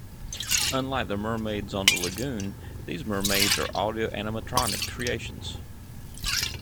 Unlike the mermaids on the lagoon, these mermaids are audio-animatronic creations.